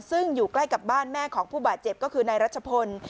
ซึ่งอยู่ใกล้กับบ้านแม่ของผู้บาดเจ็บก็คือนายรัชพล